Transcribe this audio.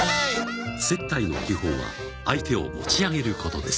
接待の基本は相手を持ち上げることです。